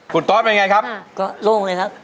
คุณโต๊ะไปยังไงครับคุณโต๊ะโห้เลยครับ